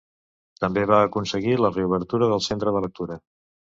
També va aconseguir la reobertura del Centre de Lectura.